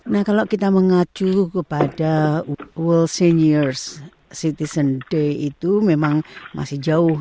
nah kalau kita mengacu kepada world seniors citizen day itu memang masih jauh